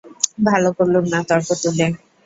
ভালো করলুম না তর্ক তুলে।